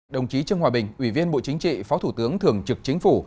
đồng chí trương hòa bình ủy viên bộ chính trị phó thủ tướng thường trực chính phủ